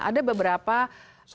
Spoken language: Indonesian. ada beberapa pembahas